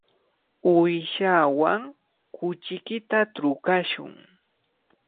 Uyshaawan kuchiykita trukashun.